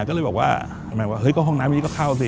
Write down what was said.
ก็เลยบอกว่าแหมนว่าห้องน้ำนี้ก็เข้าสิ